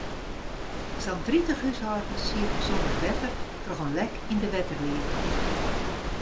Sa'n tritich húshâldens sieten sonder wetter troch in lek yn de wetterlieding.